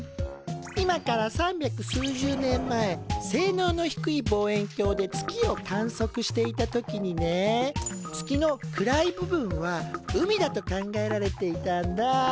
今から三百数十年前性能の低い望遠鏡で月を観測していた時にね月の暗い部分は海だと考えられていたんだ。